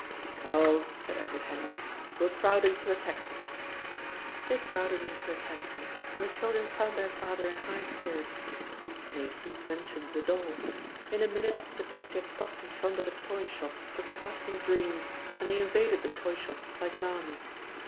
"Oh," said Edward Henry, "we'll crowd into a taxi!" They crowded into a taxi, and the children found their father in high spirits. Maisie mentioned the doll. In a minute the taxi had stopped in front of a toy shop surpassing dreams, and they invaded the toy shop like an army.